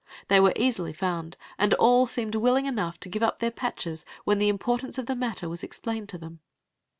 They were easily found, and all seemed willing enough to give up their patches when the importance id the matter was explained to them.